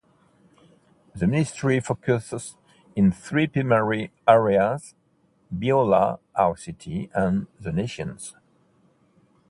The ministry focuses in three primary areas: Biola, our city, and the Nations.